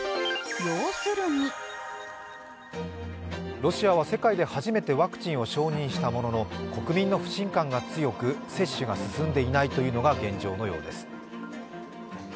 ロシアは世界で初めてワクチンを承認したものの、国民の不信感が強く、接種が進んでいないというのが現状のようです。